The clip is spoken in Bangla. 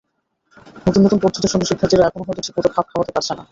নতুন নতুন পদ্ধতির সঙ্গে শিক্ষার্থীরা এখনো হয়তো ঠিকমতো খাপ খাওয়াতে পারছে না।